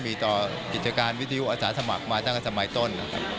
มีต่อกิจการวิทยุอาสาสมัครมาตั้งแต่สมัยต้นนะครับ